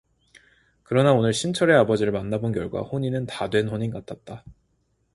그러나 오늘 신철의 아버지를 만나 본 결과 혼인은 다 된 혼인 같았다.